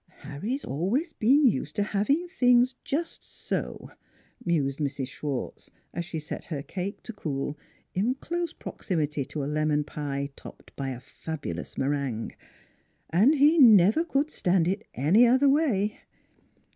" Harry's always been used to having things just so," mused Mrs. Schwartz, as she set her cake to cool in close proximity to a lemon pie topped by a fabulous meringue. " And he never could stand it any other way."